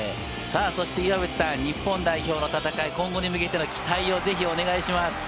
岩渕さん、日本代表の戦い、今後に向けての期待をぜひお願いします。